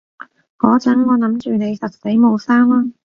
嗰陣我諗住你實死冇生喇